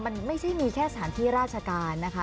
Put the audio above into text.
มันไม่ใช่มีแค่สถานที่ราชการนะคะ